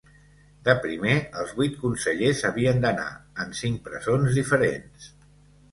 De primer, els vuit consellers havien d’anar en cinc presons diferents.